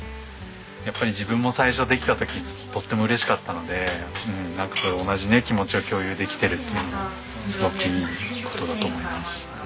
やっぱり自分も最初できた時とっても嬉しかったので同じ気持ちを共有できてるっていうのはすごくいい事だと思います。